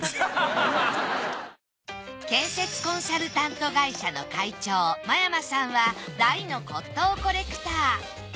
建設コンサルタント会社の会長間山さんは大の骨董コレクター。